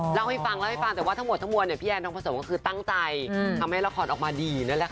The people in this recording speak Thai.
เล่าให้ฟังเล่าให้ฟังแต่ว่าทั้งหมดทั้งมวลพี่แอนทองผสมก็คือตั้งใจทำให้ละครออกมาดีนั่นแหละค่ะ